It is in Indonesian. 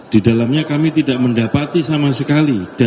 di dalamnya kami tidak mendapati sama sekali